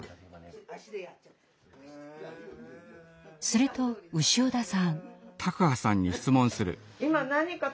すると潮田さん。